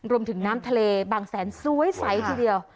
รวมถึงน้ำทะเลบางแสนสวยใสทีเดียว